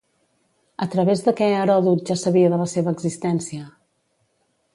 A través de què Heròdot ja sabia de la seva existència?